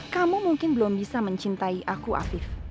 kamu mungkin belum bisa mencintai aku afif